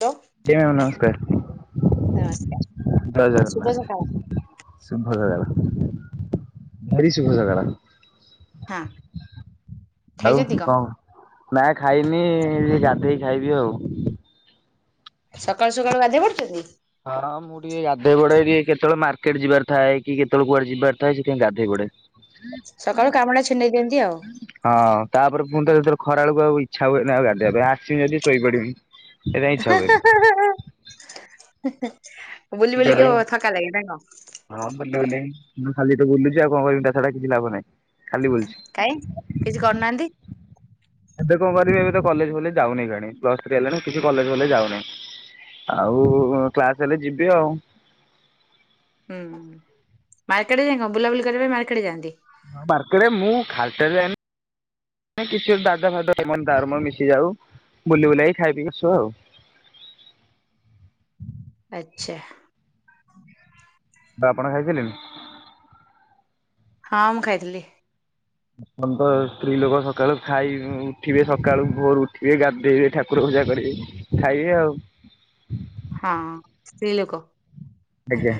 Hello. G ma'am ନମସ୍କାର ନମସ୍କାର ଜୟ ଶୁଭ ସକାଳ ଜାଗନ୍ନାଥ। ଶୁଭ ସକାଳ, ଭେରି ଶୁଭସକାଳ। ହଁ ଆଉ କଣ? ନା ଖାଇନି ଗାଧେଇକି ଖାଇବି ଆଉ। ସକାଳୁ ସକାଳୁ ଗାଧେଇ ପଡୁଛନ୍ତି। ହଁ ମୁଁ ଟିକେ ଗାଧେଇ ପଡେ ଟିକେ କେତଳେ ମାର୍କେଟ ଯିବାର ଥାଏ କି କେତଳେ କୁଆଡେ ଯିବାର ଥାଏ ସେଥି ପାଇଁ ଗାଧୋଇ ପଡେ। ସକାଳୁ କାମ ଡା ଛିଣ୍ଡେଇ ଦିଅନ୍ତି ଆଉ। ହଁ ତାପରେ ପୁଣି ତ ସେତର ଖରା ବେଳକୁ ଆଉ ଇଛା ହୁଏନି ଆଉ ଗଧେଇବା ପା। ଇଁ ଆସିବି ଯଦି ଶୋଇପଡିବି। ସେଥି ଆଁଇ ଇଛା ହୁଏନି। ବୁଲି ସିଧାରେ ବୁଲିକି ଥକା ଲାଗେ ନା କଁ ହଁ ଭୁ ମୁଁ ଖାଲି ତ ବୁଲୁଛି ଆଉ କଣ କିବି ତା ଛଡା କିଛି ଲାଭ ନାହିଁ। ଖାଲି ବୁଲୁଛି କାଇଁ କିଛି କରୁନାହାନ୍ତି। ଏବେ କଣ କରିବି ଏବେ ତ କଲେଜ ଭ ଯାଉନିାଣି ପ୍ଲସ ଥ୍ରୀ ହେଲାଣି କିଛି କଲେଜ ଭ ଯାଉନିଁ। ଆଉ କ୍ଲାସ ହେଲେ ଯିବି। ଆଉ ହୁଁ ମାର୍କେଟ ଯାଇ କଣ ବୁଲାବୁଲି କରିବା ପାଇଁ ମାର୍କେଟ ଯାଆନ୍ତି। ହଁ ମାର୍କେଟ ମୁଁ ଖାଲିଟାରେ କିଛି ଦାଦା ଫାଦ ଏ ଦାରମ ମିଶି ଯାଉ ବୁଲି ବୁଲେଇକି ଖାଇ ପି ଆସୁ ଆଉ। ଆଛା ବା ଆପଣ ଖାଇ ସାରିଲେଣି? ହଁ ମୁଁ ଖାଇଥିଲି। ତ ସ୍ତ୍ରୀ ଲୋକ ସକାଳୁ ଖାଇ ଉଠିବେ ସକାଳୁ ଭୋରୁ ଉଠିବେ ଗାଧେଇବେ ଠାକୁର ପୂଜା କରିବେ। ଖାଇବି ଆଉ। ହଁ ସ୍ତ୍ରୀ ଲୋକ ଆଜ୍ଞା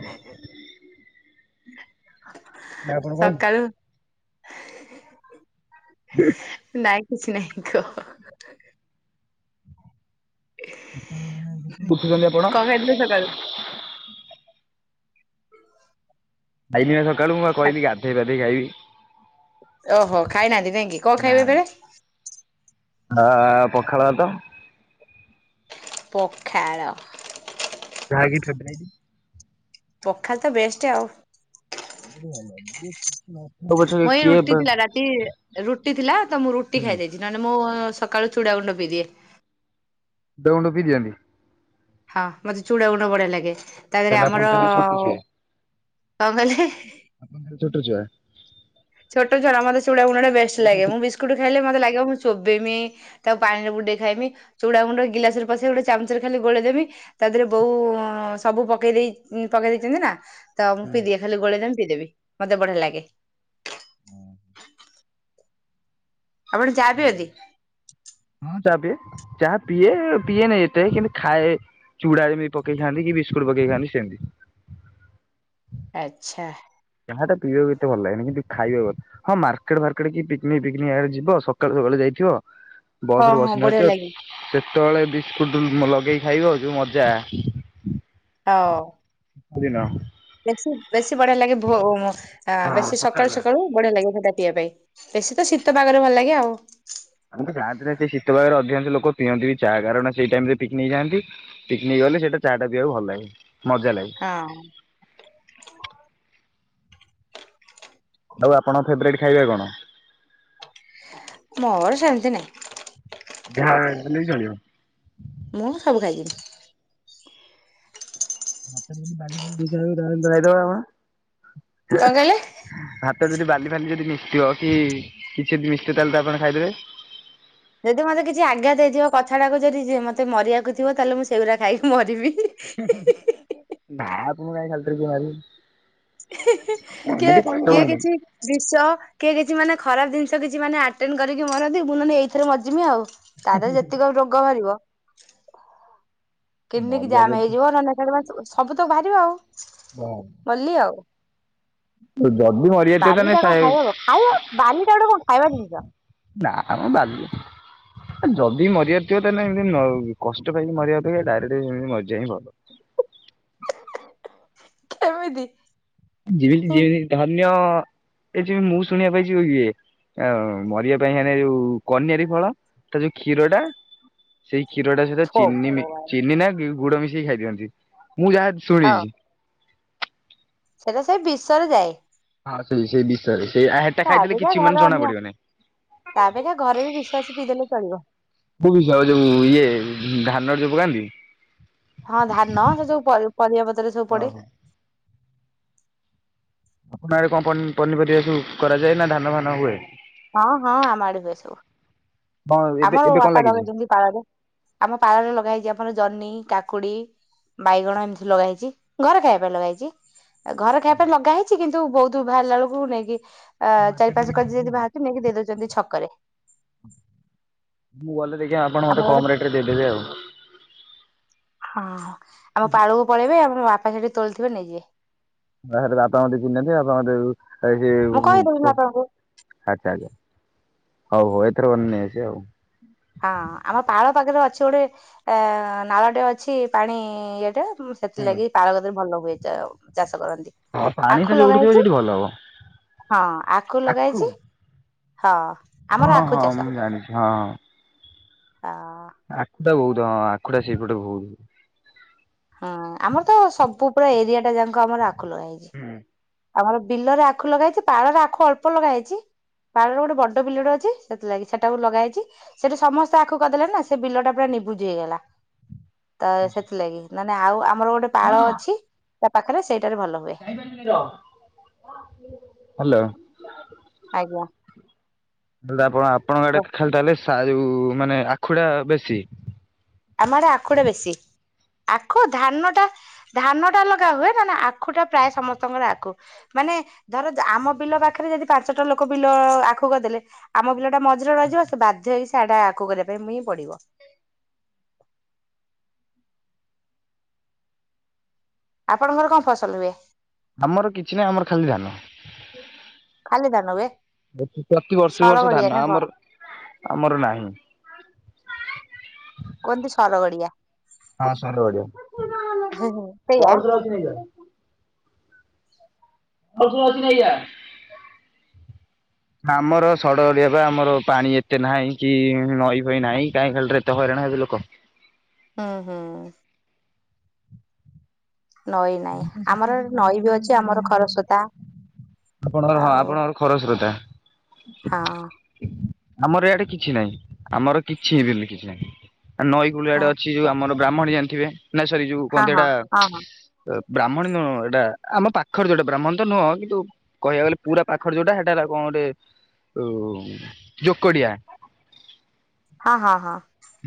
ସକାଳୁ ନାଇଁ କିଛି ନାଇଁ କହ ଉଠୁଛନ୍ତି ଆପଣ ବଡି ସକାଳୁ। ଖାଇନି ବା ସକାଳୁ ମୁଁ କ କହିଲି ଗାଧେଇ ପାାଧେଇ ଖାଇବି। ଓହୋ ଖାଇନାହାନ୍ତି କାଇହିଁକି କଣ ଖାଇବେ ଏବେ? ଏ ପଖାଳ ଭାତ। ପଖାଳ ଯାହାକି ଫେବରାଇଟ ପଖାଳ ତ ବେଷ୍ଟ। ଆଉ ସବୁଠୁ ଭଲ ବେଶ୍ କିଛି ମୋ ଏଇ ରୁଟି ଥିଲା ରାତି ରୁଟି ଥିଲା ତ ମୁଁ ରୁଟି ହୁଁ ଖାଇଦେଇଛି। ନହେଲେ ମୁଁ ସକାଳୁ ଚୁଡ଼ା ଗୁଣ୍ଡ ପିଇଦିଏ। ଦଉଣ୍ଡ ପିିଦିଅନ୍ତି? ହଁ ମତେ ଚୁଡା ଗୁଣ ବଢିଆ ଲାଗେ ତା ଦେହରେ ତାହେଲେ ଆପଣ ଆମର ତାହେଲେ ଛୋଟ ଛୁଆ କଣ କହିଲେ ଆପଣଙ୍କ କଣ ଛୋଟ ଛୁଆ? ଛୋଟ ଛୁଆ ନୂହେଁ ମୋତେ ଚୁଡା ଗୁଣ୍ଡ ବେଷ୍ଟ ଲାଗେ ମୁଁ ବିସ୍କୁଟ ଖାଇଲେ ମତେ ଲାଗେ ମୁଁ ଚୋବେମି ତାକୁ ପାଣିରେ ବୁଟେଇ ଖାଇମି ଚୁଡା ଗୁଣ୍ଡ ଗିଲାସ ର ପଶ ଗୋଟେ ଚାମଚରେ ଖାଲି ଗୋଳଦ ଦେମି ତା ଦେହରେ ବୋଉ ସବୁ ପକେଇ ଦେଇ ପକେଇ ଦେଇେଇଛନ୍ତି ନା ତ ମୁଁ ପିଇବି ଖାଲି ଗୋଳେ ଦା ପିଦେବି ମତେ ବଢିଆ ଲାଗେ। ହୁଁ ହୁଁ ଆପଣ ଚା ପିଅନ୍ତି? ହଁ ଚାହା ପିଏ ଚାହା ପିଏ ପିଏନି ଏତେ କିନ୍ତୁ ଖାଏ ଚୁଡା ଯେମିତି ପକେଇ ଖାଆନ୍ତି କି ବିସ୍କୁଟ ପକେଇ ଖାଆନ୍ତି ସେମିତି। ଆଛା ଚାହା ପିଇବାକୁ ଏତେ ଭଲ ଲାଗେନି କିନ୍ତୁ ଖାଇବା କଥା ହଁ ମାର୍କେଟ ଫାରକେଟ କି ପିକିନିକି ଫିକିନିକି ଯିବ ସକାଳୁ ସକାଳୁ ଯାଇଥିବ ବସ ହଁ ରୁ ହଁ ବଢିଆ ବସିନାହାନ୍ତି ଆ ଲାଗେ ସେତେବେଳେ ବିସ୍କୁଟ ଲଗେଇକି ଖାଇବ ଆଉ ଯୋଉ ମଜା ଆଓ ସବୁଦିନ ବେଶୀ ବେଶୀ ବଢିଆ ଲାଗେ ଭୋ ବେଶୀ ସକାଳୁ ସକାଳୁ ବଢିଆ ଲାଗେ ସେଟା ପିଇବା ପାଇଁ ବେଶୀ ତ ଶୀତ ପାଗରେ ଭଲ ଲାଗେ ଆଉ। ଆମେ ତ ଗାଁ ପିଲା ସେ ଶୀତ ପାଗରେ ଅଧିକାଂଶ ଲୋକ ପିଅନ୍ତି ବି ଚାହା କାରଣ ସେଇ ଟାଇମ ରେ ପିକନିକ୍ ଯାଆନ୍ତି। ପିକ୍ନିକ୍ ଗଲେ ସେଇଟା ଚାହାଟା ପିବାକୁ ଭଲ ଲାଗେ ମଜା ଲାଗେ। ହଁ ଆଉ ଆପଣ ଫେବରେଟ୍ ଖାଇବେ କଣ? ମୋର ସେମିତି ନାଇଁ। ଯାହାଲେ ବି ଚଳିବ। ମୁଁ ସବୁ ଖାଇଦେବି। [inaudible] ଭାତ ସହ ଯଦି ବାଲି କଣ କହିଲେ? ଫାଲି ଯଦି ମିଶଥିବ କି କିଛି ଯଦି ମିଶଥିବ ତାହେଲେ ତ ଆପଣ ଖାଇଦେବେ। ଯଦି ମୋତେ କିଛି ଆଜ୍ଞା ଦେଇଥିବ କଥାଟାକୁ ଯଦି ମତେ ମରିବାକୁ ଥିବ ତାହେଲେ ମୁଁ ସେଗୁଡ଼ା ଖାଇକି ମରିବି। ନା ଆପଣ ଙ୍କୁ କିଏ ଖାଲିଟା ରେ କିଏ ମାରିବା। କିଏ କିଏ କିଛି ବିଷ କିଏ କିଛି ମାନେ ଖରାପ ଜିନିଷ କିଛି ଆଟେଣ୍ଡ କରିକି ମରନ୍ତି ମୁଁ ନହେଲେ ଏଇଥିରେ ମରିଯିବି ଆଉ। ତା ଦେହରେ ଯେତିକ ରୋଗ ବାହାରିବା। କେଣିକି ମାରିବ ମରିବା ଜାମ୍ ଯଦି ହେଇଯିବ ନେ ସବୁ ତ ବାହାରିବ ଆଉ। ବାହାରୁ ମଲି ଆଉ ଯଦି ମରିଯାଇଥିବ ବାଲି ତାହେଲେ ଟା କଣ ସାଏ ଖାଇ ହବ ଖାଇ ବାଲିଟା ଗୋଟେ କଣ ଖାଇବା ଜିନିଷ। ନା ମ ବାଲି ଯଦି ମରିବାର ଥିବ ତାହେଲେ ଏମିତି କଷ୍ଟ ପାଇକି ମରିବା ଅପେକ୍ଷା ଡାଇରେକ୍ଟ ଏଇମିତି ମରିଯିବା ହିଁ ଭଲ। ଏମିତି ଯମି ଯମି ଧରିନିଅ ଏ ଯେ ମୁଁ ଶୁଣିବା ପାଇଁ ଇଏ ଆଉ ମରିବା ପାଇଁ ହେ ଯୋଉ କନିଆାରୀ ଫଳ ତା ଯୋଉ କ୍ଷୀର ଟା ସେଇ କ୍ଷୀରଟା ସହିତ ଚିନି ଭଗବାନ। ଚିନି ନା ଗୁଡ ମିଶେଇକି ଖାଇଦିଅନ୍ତି ମୁଁ ଯାହା ହଁ ଶୁଣିଛି। ସେଇଟା ସେ ବିଷରେ ଯାଏ। ହଁ ସେଇ ସେଇ ବିଷରେ ସେଇ ହେଟା ତା ଖାଇଦେଲେ ଅପେକ୍ଷା କିଛି ଘରେ ମାନେ ଜଣା ଅନ୍ୟ। ପଡିବନି। ତା ଅପେକ୍ଷା ଘରେ ବି ବିଶ ଅଛି ପିଇଦେଲେ ଚଳିବ। କୋଉ ବିଷ ଯୋଉ ଇଏ ଧାନର ଯୋଉ ପକାନ୍ତି। ହଁ ଧାନ ସେ ଯୋଉ ପରି ପରିବା ପତ୍ରରେ ସବୁ ପଡେ। ଓହୋ। ଆପଣରେ ଆଡ଼େ କଣ ପ ପନିପରିବା ସବୁ କରାଯାଏ ନା ଧାନ ଫାନ ହୁଏ। ହଁ ହଁ ଆମ ଆଡ ହୁଏ ସବୁ। କଣ ଏବେ ଆମର ଏବେ କଣ ବାପା ଲାଗିଛି? ଲଗେଇଛନ୍ତି ପାଳଙ୍ଗ ଆମ ପାଳରେ ଲଗା ହେଇଛି ଆମର ଜହ୍ନି କାକୁଡି ବାଇଗଣ ଏମିତି ଲଗେଇ ହେଇଛି। ଘରେ ଖାଇବା ପାଇଁ ଲଗା ହେଇଚି। ଘର ଖାଇବା ପାଇଁ ଲଗା ହେଇଛି କିନ୍ତୁ ବହୁତ ବାହାରିଲା ବେଳକୁ ନେଇକି ଅ ହଁ ଚାରି ମାର୍କେଟରେ ପାଞ୍ଚ ବିକି କେଜି ଦଉଛନ୍ତି ଯଦି ଆଉ। ବାହାରୁଛି ନେଇକି ଦେଇ ଦଉଛନ୍ତି ଛକରେ। ମୁଁ ଗଲେ ଦେଖିବା ଆପଣ ଆମର ମୋତେ ଗୋଟେ କମ୍ ରେଟ ରେ ଦେଇଦେବେ ଆଉ। ହଁ ଆମ ପାଳକୁ ପଳେଇବେ ଆମ ବାପା ସେଠି ତୋଳିଥିବେ ନେଇଯିବେ। ଆ ଆପଣ ମ ନାତି ଆପଣ ମ ସେ ମୁଁ କହିଦେବି ବାପାଙ୍କୁ। ଆଚ୍ଛା ଆଛା ହଉ ହଉ ଏଥର ଗଲେ ନେଇ ଆସିବା ଆଉ। ହଁ ଆମ ପାଳ ପାଖରେ ଅଛି ଗୋଟେ ଏ ନାଳଟେ ଅଛି ପାଣି ଇଏଟେ। ସେଥିଲାଗି ପାଳଗଦାରେ ଭଲ ହୁଏ ଚା ଚାଷ କରନ୍ତି, ହଁ ପାଣି ତ ଆଖୁ ଯୋଉଠି ଲଗା ଥିବ ହେେଇଛି। ସେଇଠି ଭଲ ହବ। ହଁ ଆଖୁ ଲଗା ହେଇଛି ହଁ ଆମର ହଁ ଆଖୁ ହଁ ଚାଷ। ମୁଁ ଜାଣିଛି ହଁ ହଁ ଆଖୁଟା ବହୁତ ହଁ ଆଖୁଟା ସେଇପଟେ ବହୁତ ହଁ ଆମର ତ ସବୁ ପୁରା ଏରିଆ ଟା ଯାକ ଆମର ଆଖୁ ଲଗା ହେଇଛି। ହୁଁ ଆମର ବିଲରେ ଆଖୁ ଲଗା ହୋଇଛି। ପାଳରେ ଆଖୁ ଅଳ୍ପ ଲଗା ହୋଇଛି। ପାଳର ଗୋଟେ ବଡ ବିଲଟେ ଅଛି। ସେଥିଲାଗି ସେଟାକୁ ଲଗା ହୋଇଛି। ସେଠି ସମସ୍ତେ ଆଖୁ କରିଦେଲେ ନା ସେ ବିଲ ଟା ପୁରା ନିିବୁଜ ହେଇଗଲା। [inaudible] ତ ସେଥିଲାଗି ନାନେ ଆଉ ଆମର ଗୋଟେ ପାଳ ଅଛି ତା ପାଖରେ ସେଇଟାରେ ଭଲ ହୁଏ। ହ୍ୟାଲୋ ଆଜ୍ଞା ମୁଁ କହିଲି ଆପଣ ଆପଣଙ୍କ ଆଡେ ଖା ଖାଲି ତାହେଲେ ସାରୁ ମାନେ ଆଖୁ ଟା ବେଶୀ? ଆମର ଆଖୁ ଟା ବେଶୀ, ଆଖୁ ଧାନ ଟା ଧାନ ଟା ଲଗା ହୁଏ ମାନେ ଆଖୁ ଟା ପ୍ରାୟ ସମସ୍ତଙ୍କର ଆଖୁ ମାନେ ଧର ଆମ ବିଲ ପାଖରେ ଯଦି ପାଞ୍ଚଟା ଲୋକ ବିଲ ଆଖୁକରି ଦେଲେ ଆମ ବିଲ ଟା ମ ଝିରେ ରହିଯିବ ସେ ବାଧ୍ୟ ହେକି ସେଟା ଆଖୁ କରିବା ପାଇଁ ହିଁ ପଡିବ। ଆପଣଙ୍କର କଣ ଫସଲ ହୁଏ? ଆମର କିଛି ନାହିଁ ଆମର ଖାଲି ଧାନ। ଖାଲି ଧାନ ହୁଏ। ପ୍ରତିି ପ୍ରତି ବର୍ଷକୁ ବର୍ଷକୁ ସରଗଡିଆ ଧାନ ନା କଣ ଆମର ଆମର ନାହିଁ। କୁହନ୍ତି ସରଗଡିଆ [unintelligible] ହୁଁ ହଁ ସେୟା [unintelligible] ବୁଜି ହଉଚି ଆଜ୍ଞା ଆମର ସଡ଼ ଗଡିଆ ବା ଆମର ପାଣି ଏତେ ନାହିଁ କି ନଈ ଫଈ ନାହିଁ। କାଇଁ ଖାଲିଟାରେ ହଇରାଣ ହେବେ ଲୋକ। ହୁଁ ହୁଁ। ନଈ ନାଇଁ ଆମର ନଈ ବି ଅଛି ଆମର ଖରସ୍ରୋତା ଆପଣଙ୍କ ଆଉ ଆପଣଙ୍କର ଖରଚ ରତା। ହଁ। ଆମର ଏଆଡେ କିଛି ନାହିଁ ଆମର କିଛି ବୋଲି କିଛି ନାହିଁ। ଆ ନଈ କୂଳିଆ ଆଡେ ଅଛି। ଯୋଉ ଆଚ୍ଛା ଆମର ବ୍ରାହ୍ମଣୀ ଜାଣିଥିବେ ନା ସରି ଯୋଉ କଣ ହଁ ତି ହଁ ଏଟା? ହଁ ହଁ ବ୍ରାହ୍ମଣୀ ନୁ ଏଇଟା ଆମ ପାଖରେ ଯୋଉଟା ବ୍ରାହ୍ମଣୀ ତ ନୁହଁ କିନ୍ତୁ କହିବାକୁ ଗଲେ ପୁରା ପାଖରେ ଯୋଉଟା ସେଟା କଣ ଗୋଟେ ଓ ଯୋକଡିଆ। ହଁ ହଁ ହଁ।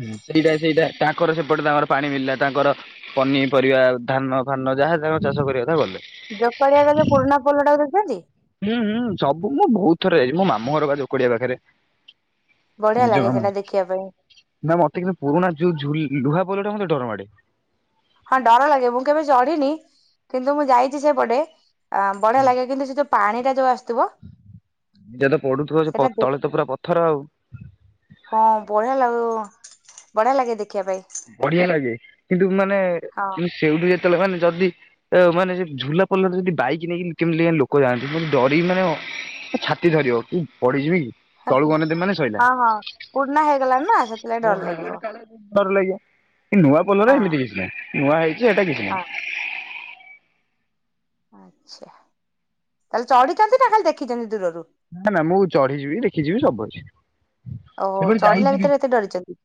ହୁଁ ସେଇଟା ସେଇଟା ତାଙ୍କର ସେପଟେ ତାଙ୍କର ପାଣି ମିଳିଲା ତାଙ୍କର ପନିପରିବା ଧାନ ଫାନ ଯାହା ତାଙ୍କର ଚାଷ କରିବା କଥା କଲେ। ଜୋକଡିଆର ଯଉ ପୁରୁଣା ପୋଲଟାକୁ ଦେଖିଚନ୍ତି? ହୁଁ ହୁଁ ସବୁ ମୁଁ ବହୁତ ଥରେ ଯାଇଛି ମୋ ମାମୁଁ ଘର ଜୋକ ଡିଆ ପାଖରେ। ବଢିଆ ନିଜ ଲାଗେ ଆମ ସେଇଟା ଦେଖିବା ପାଇଁ ନା ମତେ କିନ୍ତୁ ପୁରୁଣା ଯୋଉ ଝୁଲ ଲୁହା ପୋଲଟା ମୋତେ ଡରମାଡେ। ହଁ ଡର ଲାଗେ ମୁଁ କେବେ ଚଢିନି କିନ୍ତୁ ମୁଁ ଯାଇଛି ସେଇପଟେ ଅ ବଢିଆ ଲାଗେ କିନ୍ତୁ ସେ ଯୋଉ ପାଣିଟା ଯୋଉ ଆସ ଯେବେ ପଡୁଥିବ ସେ ସେଇଟା ତଳେ ତ ପୁରା ପଥର ଆଉ। ହଁ ବଢିଆ ଲାଗିବ ବଢିଆ ଲାଗେ ଦେଖିବା ପାଇଁ। ବଢିଆ ଲାଗେ କିନ୍ତୁ ମାନେ ହଁ ସେଇଠୁ ଯେତେବେଳେ ମାନେ ଯଦି ଅ ମାନେ ଝୁଲା ପୋଲରେ ଯଦି ବାଇକ ନେଇକି କେମିତି କେୟାଣି ଲୋକ ଯାଆନ୍ତି। ମୁଁ କହିଲି ଡରିକି ମାନ ଛାତି ଧରିବ କି ପଡିଯିବି କି? ତଳୁକୁ ଅନେଇ ଦେମି ମାନେ ଶଇଲା। ହଁ ହଁ ପୁରୁଣା ହେଇଗଲାଣି ନା ସେଥିଲାଗି ଡର ଲାଗିବ [unintelligible] କାଳେ ଡରଲାଗିବ। ଏଇ ନୂଆ ପୋଲରେ ହଁ ଏମିତି କିଛି ନାହିଁ ନୂଆ ହେଇଛି ହେଟା କିଛି ହଁ ନାହିଁ। ଆଚ୍ଛା ତାହେଲେ ଚଢିଛନ୍ତି ନା ଖାଲି ଦେଖିଚନ୍ତି ଦୂରରୁ। ନା ନା ମୁଁ ଚଢିଯିବି ଦେଖିଯିବି ସବୁ ଅଛି। ଓହୋ ସେପଟେ ଚଢିଲା ଯାଇଛି ଭିତରେ ଏତେ ଡରିଚନ୍ତି।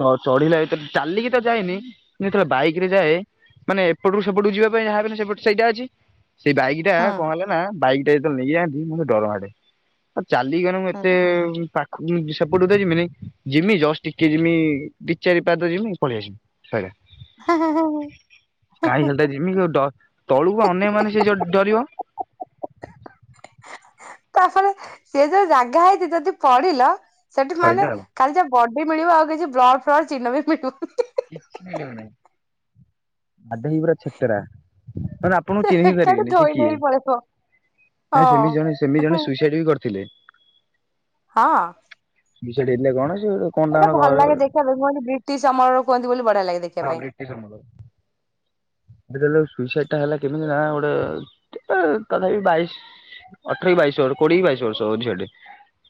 ତ ଚଢିଲା ଭିତ ଚାଲିକି ତ ଯାଇନି। ଯେତେବେଳେ ବାଇକ ରେ ଯାଏ ମାନେ ଏପଟକୁ ସେପଟକୁ ଯିବା ପାଇଁ ଯାହା ସେପଟ ସେଇଟା ଅଛି। ସେଇ ବାଇକି ଏଇଟା କଣ ହେଲାନା ବାଇକ୍ ଟା ଯେତେବେଳେ ନେଇଯାନ୍ତି ମତେ ଡରମାଡେ। ଆ ଚାଲିଗଲେ ମୁଁ ହୁଁ ଏତେ ପା ହୁଁ ସେପଟକୁତ ଜିମିନେଇଁ ଯିମି ଜଷ୍ଟ ଟିକେ ଜିମି ଦି ଚାରିପାଦ ଯିମି ପଳେଇଆସିମି। ହୁଁ [unintelligible] କାଇଁ ଖାଲଟା ଏମତି ଡ ତଳୁକୁ ଅନେଇ ମାନେ ସେ ଯୋ ଡରିବ। ତାସଳେ ସେ ଯୋଉ ଜାଗା ହେଇଛି ଯଦି ପଡ଼ିଲ ସେଠି ମାନେ କାଲି ଯା ବଡି ମିଳିବ ଆଉ କିଛି ବ୍ଲଡ଼ ଫ୍ଲଡ଼ ଚିହ୍ନ ବି ମିଳୁନି। କିଛି ମିଳିବନେଇଁ। ଆଡେନ ପୁରା ଛେତରା ମାନେ ସେ ଆପଣଙ୍କୁ ଚିହ୍ନି ବି ଏକାଠି ପାରିବେନି ସେ ଧୋଇ ନେଇ କିଏ? ପଳେଇବ ନାଇଁ ସେମିତି ହଁ ଜଣେ ସେମିତି ଜଣେ ସୁଇସାଇଟ ବି କରିଥିଲେ। ହଁ। ବିଛେଡି ହେଇଥିଲେ କଣ ଯୋଉ ଏଇଟା ଭଲ ଲାଗେ ଦେଖିବା ପାଇଁ କୁହନ୍ତି ବ୍ରିଟିଶ୍ ସମୟରୁ କୁହନ୍ତି ବୋଲି ବଢ଼ିଆ ଲାଗେ ଦେଖିବା ପାଇଁ। ହଁ ବ୍ରିଟିଶ୍ ସମୟର ଯେତେବେଳେ ସୁଇସାଇଟ ଟା ହେଲା କେମିତି ନା ଗୋଟେ ଏଁ ତଥାପି ବାଇଶ ଅଠର କି ବାଇଶ ବର୍ଷ କୋଡ଼ିଏ ବାଇଶ ବର୍ଷ ହେବ ଝିଅ ଟେ।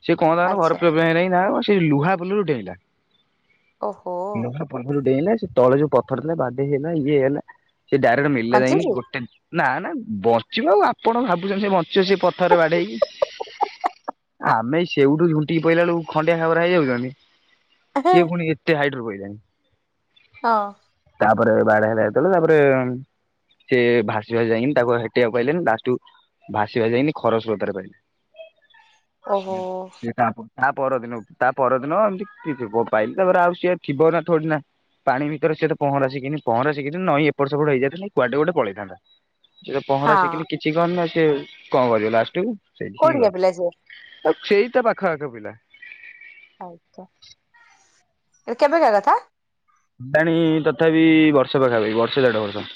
ସେ କଣ ହେଲା ନା ଘର ଆଚ୍ଛା। ପରୋବଲେମେ ଯାଇକିନା ସେ ଲୁହା ପୋଲରୁ ଡେଇଁଲା। ଓହୋ [unintelligible] ବନ୍ଧରୁ ଡେଇଁଲା ସେ ତଳେ ଯୋଉ ପଥର ଥିଲା ବାଡ଼େଇ ହେଲା ଇଏ ହେଲା ସେ ଡାଇରେକ୍ଟ ମିଳିଲା ଯାଇକିନା କଞ୍ଚେଇଛି? ଗୋଟେ ନା ନା ବଞ୍ଚିବ ଆଉ ଆପଣ ଭାବୁଛନ୍ତି ସେ ବଞ୍ଚିବ ସେ ପଥରେ ବାଡ଼େଇକି। ଆମେ ସେଇଠୁ ଝୁଣ୍ଟିକି ପଇଲା ବେଳକୁ ଖଣ୍ଡିଆ ଖାବରା ହେଇ ଯାଉଛନ୍ତି। ସିଏ ପୁଣି ଏତେ ହାଇଡ଼ର ପାଇଲାଣୀ। ହଁ। ତାପରେ ବାଡ଼େଇ ହେଲା ଯେତେବେଳେ ତାପରେ ସେ ଭାସିବା ଯାଇନି ତାକୁ ହେଟେଇବାକୁ ପାଇଲେନି ଲାସ୍‌ଟୁକୁ ଭାସିବା ଯାଇନି ଖରସ ସୋତା ରୁ ପାଇଲେ। ଓହୋ [unintelligible] ତା ପରଦିନ ତା ପରଦିନ ଏମିତି କିି ପାଇଲି ତାପରେ ଆଉ ସିଏ ଥିବ ନା ଥୋଡ଼ି ନା। ପାଣି ଭିତରେ ସେ ପହଁରା ଶିଖିନି ପହଁରା [inaudible] ନଇଁ ଏପଟ ସେପଟ ହେଇଯାଆନ୍ତା ନି କୁଆଡ଼େ ଗୋଟେ ପଳେଇଥାନ୍ତା ସେ ପହଁରା ହଁ ଶିଖିନି କି ଚିନ ସେ କଣ କରିବ ଲାଷ୍ଟୁ କୁ ସେଇଠି ହି କୋଉଠିକା ପିଲା ସିଏ? ଗଲେ। ଅଛି ତ ପାଖ ପାଖ ପିଲା। କେବେକା କଥା? ହେଲାଣି ତଥାପି ବର୍ଷେ ପାଖାପାଖି ବର୍ଷେ ଦେଢ ବର୍ଷ।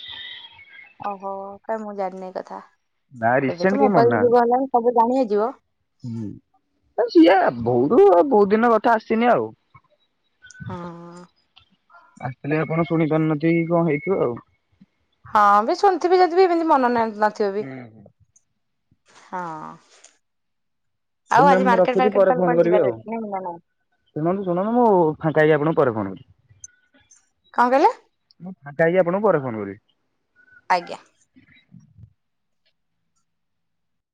ଓହୋ କାଇଁ ମୁଁ ଜାଣିନି ଏ କଥା ନା ଏବେ ରିସେଣ୍ଟ ତ କେହି ମୋବାଇଲ୍‌ ଯୁଗ ହେଲାଣି ସବୁ ଜାଣି ହେଇଯିବ। ହୁଁ ସିଏ ବହୁ ଦୁ ବହୁତ ଦିନ କଥା ଆସିନି ଆଉ। ହଁ। ଆସିଥିଲେ ଆପଣ ଶୁଣି ପାରିନଥିବେ କି କଣ ହେଇଥିବ ଆଉ। ହଁ ବି ଶୁଣିଥିବି ଯଦି ବି ଏମିତି ମନ ନାହିଁ ନ ଥିବ ବ ବି। ହଁ ଆଉ ହଉ ମ୍ୟାମ୍ ଆଜି ମୁଁ ମାର୍କେଟ୍‌ ରଖୁଛି ପରେ ଫାର୍କେଟ୍‌ ଆଉ ଫୋନ୍ କୁଆଡ଼େ କରିବି ଯିବାର ଅଛି ନା ନାଇଁ? ଶୁଣନ୍ତୁ ଶୁଣନ୍ତୁ ମୁଁ ଫାଙ୍କା ହେଇ କି ଆପଣଙ୍କୁ ପରେ ଫୋନ୍‌ କରୁଛି। କଣ କହିଲେ? ଫାଙ୍କା ହେଇକି ଆପଣଙ୍କୁ ପରେ ଫୋନ୍ କରିବି। ଆଜ୍ଞା।